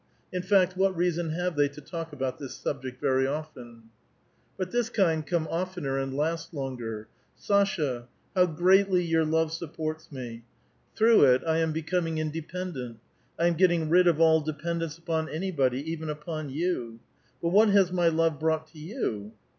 In fact, what reason have they to talk about this subject very often ? But this kind come offcener and last longer :—" Sasha, how greatly your love supports me ! Through it I am becoming independent ; I am getting rid of all depend ence upon anybody, even upon you. But what has my love brought to you